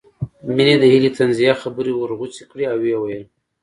مينې د هيلې طنزيه خبرې ورغوڅې کړې او ويې ويل